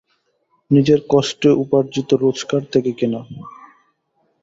নিজের কষ্টে উপার্জিত রোজগার থেকে কেনা।